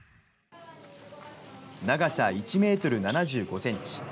長さ１メートル７５センチ。